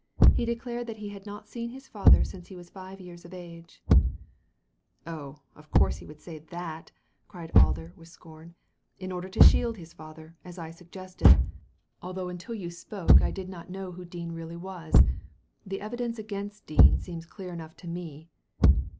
He declared that he had not seen his father since he was five years of age." 'UDh, of course he would say all that I" cried Alder, with scorn, " in order to shield his father, as I suggested ; although until you spoke I did not know Digitized by Google 152 THE LADY FROM NOWHERE who Dean really was. The evidence against Dean seems clear enough to me."